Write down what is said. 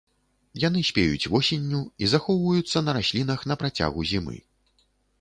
Яны спеюць восенню і захоўваюцца на раслінах на працягу зімы.